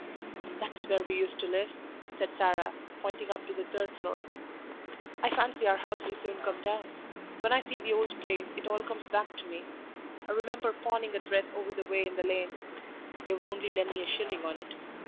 "That's where we used to live," said Sarah, pointing up to the third floor. "I fancy our house will soon come down. When I see the old place it all comes back to me. I remember pawning a dress over the way in the lane; they would only lend me a shilling on it.